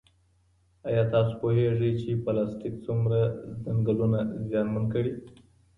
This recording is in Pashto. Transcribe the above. ایا تاسو پوهېږئ چې پلاستیک څومره ځنګلونه زیانمن کړي؟